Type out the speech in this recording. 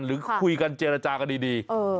หรือคุยกันเจรจากันดี